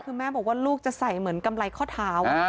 คือแม่บอกว่าลูกจะใส่เหมือนกำไรข้อเท้า